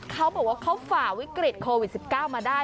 เขาบอกว่าเขาฝ่าวิกฤตโควิด๑๙มาได้